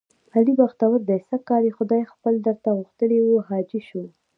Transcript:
علي بختور دی سږ کال خدای خپل درته غوښتلی و. حاجي شو،